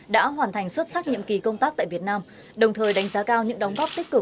đã hoàn thành xuất sắc nhiệm kỳ công tác tại việt nam đồng thời đánh giá cao những đóng góp tích cực